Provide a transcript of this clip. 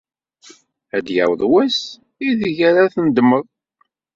Ad d-yaweḍ wass aydeg ara tnedmed.